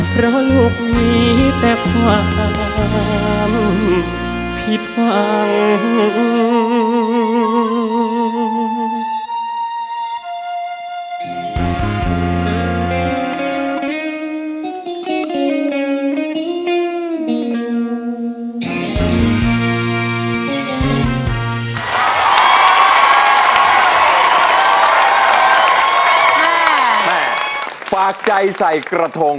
เพราะลูกมีแต่ความผิดพัง